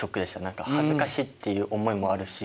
何か恥ずかしいっていう思いもあるし。